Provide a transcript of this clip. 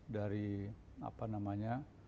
dari apa namanya